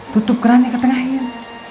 tutup kerannya ketengahin